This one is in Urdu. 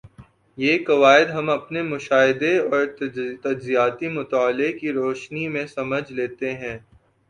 یہ قواعد ہم اپنے مشاہدے اور تجزیاتی مطالعے کی روشنی میں سمجھ لیتے ہیں